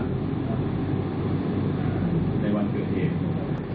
ในวันเกิดเหตุ